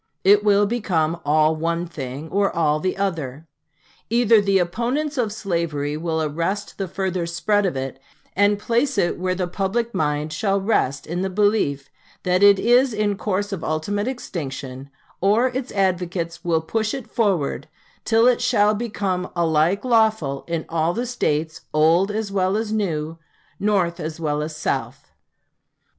It will become all one thing or all the other. Either the opponents of slavery will arrest the further spread of it, and place it where the public mind shall rest in the belief that it is in course of ultimate extinction; or its advocates will push it forward till it shall become alike lawful in all the States, old as well as new, North as well as South."